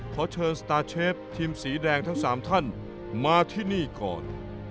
ขอเชิญสตาร์เชฟทีมสีแดงทั้ง๓ท่านมาที่นี่ก่อน